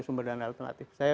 sumber dana alternatif saya